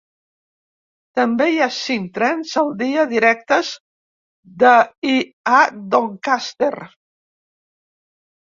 També hi ha cinc trens al dia directes de i a Doncaster.